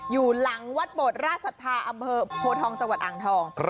อยู่หลังวัดโบดราชศรัทธาอำเภอโพทองจังหวัดอ่างทอง